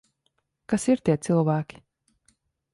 Kas ir tie cilvēki?